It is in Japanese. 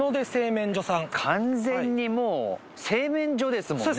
完全にもう製麺所ですもんね